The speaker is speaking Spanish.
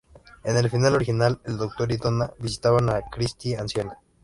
En el final original, el Doctor y Donna visitaban a la Christie anciana.